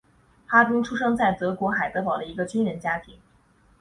哈丁出生在德国海德堡的一个军人家庭。